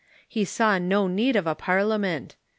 He saw no need of a parliament.